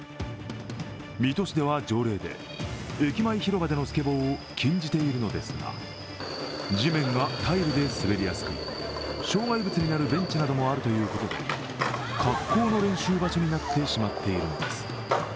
水戸市では条例で駅前広場でのスケボーを禁じているのですが地面がタイルで滑りやすく、障害物になるベンチなどもあるということで格好の練習場所になってしまっているのです。